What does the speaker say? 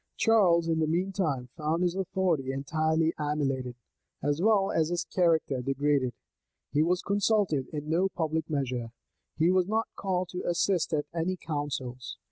Charles, in the mean time, found his authority entirely annihilated, as well as his character degraded. He was consulted in no public measure. He was not called to assist at any councils.